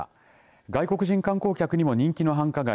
外国人観光客にも人気の繁華街